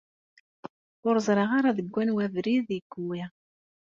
Ur zṛiɣ ara deg anwa abrid i yewwi.